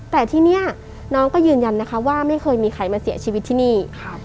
แต่ที่นี่น้องก็ยืนยันนะคะว่าไม่เคยมีใครมาเสียชีวิตที่นี่